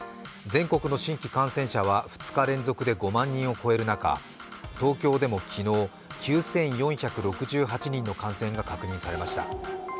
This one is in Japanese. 全国の新規感染者は２日連続で５万人を超える中、東京でも昨日、９４６８人の感染が確認されました。